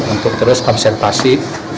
untuk terus konservasi